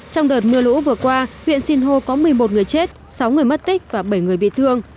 trong đợt mưa lũ vừa qua huyện sinh hô có một mươi một người chết sáu người mất tích và bảy người bị thương